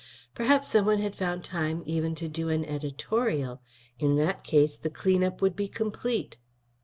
Perhaps someone had found time even to do an editorial; in that case the clean up would be complete.